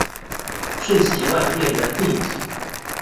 瞬息萬變的近景